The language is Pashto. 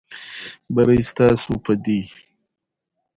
بری ستاسو په دی.